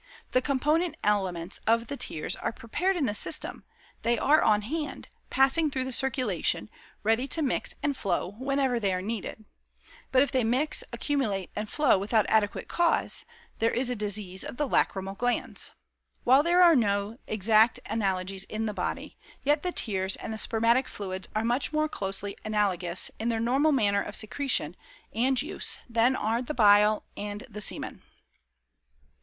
The component elements of the tears are prepared in the system, they are on hand, passing through the circulation, ready to mix and flow whenever they are needed; but if they mix, accumulate and flow without adequate cause, there is a disease of the lachrymal glands. While there are no exact analogies in the body, yet the tears and the spermatic fluids are much more closely analogous in their normal manner of secretion and use than are the bile and the semen.